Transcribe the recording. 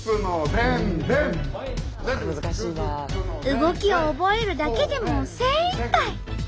動きを覚えるだけでも精いっぱい。